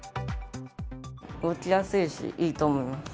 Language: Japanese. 動きやすいし、いいと思います。